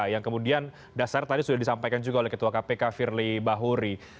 yang kemudian dasarnya tadi sudah disampaikan juga oleh ketua kpk firly bahuri